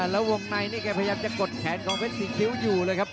แล้ววงในนี่แกพยายามจะกดแขนของเพชรสี่คิ้วอยู่เลยครับ